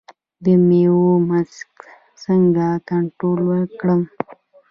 د میوو مګس څنګه کنټرول کړم؟